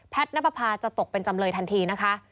แพทย์นับภาพจะตกเป็นจำเลยทันทีนะคะ